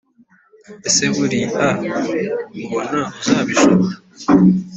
ese buria ubona uzabishobora